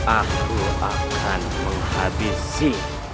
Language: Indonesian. aku akan menghabisi